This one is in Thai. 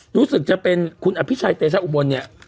รู้สึกจะเป็นคุณอภิชัยเตชะอุบลเนี่ย